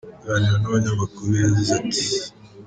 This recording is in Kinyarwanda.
aganira n'abanyamakuru yagize ati.